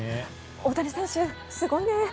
大谷選手、すごいね。